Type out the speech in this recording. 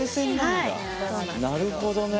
なるほどね。